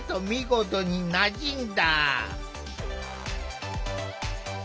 見事になじんだ。